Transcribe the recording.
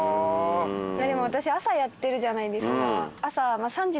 いやでも私朝やってるじゃないですか。